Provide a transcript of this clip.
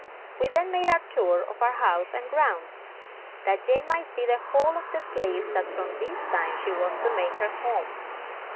We then made a tour of our house and grounds, that Jane might see the whole of the place that from this time she was to make her home.